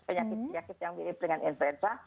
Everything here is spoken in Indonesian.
penyakit penyakit yang mirip dengan influenza